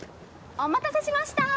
お待たせしました。